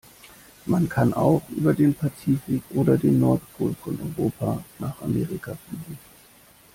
Man kann auch über den Pazifik oder den Nordpol von Europa nach Amerika fliegen.